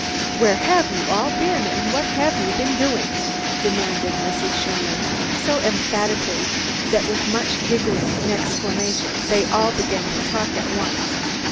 "Where have you all been, and what have you been doing?" demanded Mrs. Sherman so emphatically that, with much giggling and exclaiming, they all began to talk at once.